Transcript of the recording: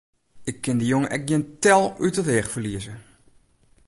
Ik kin dy jonge ek gjin tel út it each ferlieze!